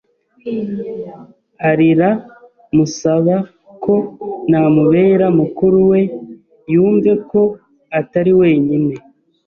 arira musaba ko namubera mukuru we yumve ko atari wenyine!